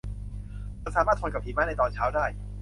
ฉันสามารถทนกับหิมะในตอนเช้าได้